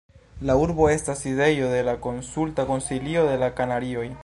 La urbo estas sidejo de la Konsulta Konsilio de la Kanarioj.